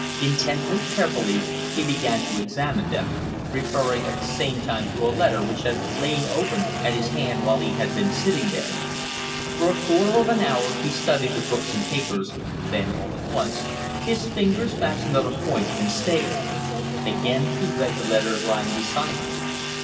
Intently, carefully, he began to examine them, referring at the same time to a letter which had lain open at his hand while he had been sitting there. For a quarter of an hour he studied the books and papers, then, all at once, his fingers fastened on a point and stayed. Again he read the letter lying beside him.